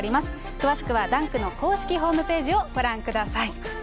詳しくはダンクの公式ホームページをご覧ください。